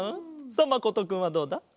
さっまことくんはどうだ？